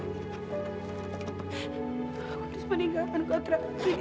aku harus meninggalkan kotraku ini